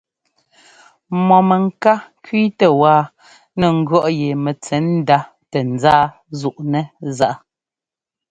Mɔ mɛŋká kẅíitɛ wá nɛ ŋgʉ̈ɔ́ꞌ yɛ mɛntsɛ̌ndá tɛ nzáá zúꞌnɛ́ zaꞌ.